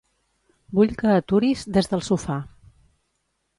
Vull que aturis Desdelsofà.